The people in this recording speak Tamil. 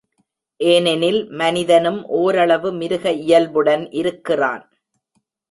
ஏனெனில், மனிதனும் ஓரளவு மிருக இயல்புடன் இருக்கிறான்.